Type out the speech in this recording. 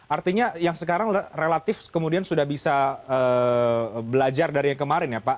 artinya yang sekarang relatif kemudian sudah bisa belajar dari yang kemarin ya pak